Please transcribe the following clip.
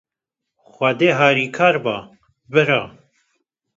Xwedê harî kar be, bira